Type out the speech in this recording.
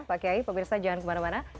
pak kiai pak mirsa jangan kemana mana